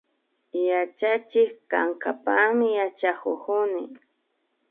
Yachachik kankapakmi yachakukuni